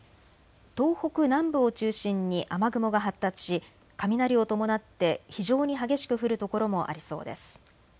東北南部を中心に雨雲が発達し雷を伴って非常に激しく降る所もありそうです。